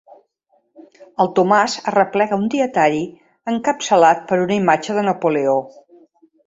El Tomàs arreplega un dietari encapçalat per una imatge de Napoleó.